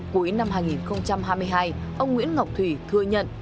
cuối năm hai nghìn hai mươi hai ông nguyễn ngọc thủy thừa nhận